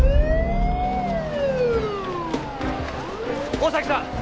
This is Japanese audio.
大崎さん！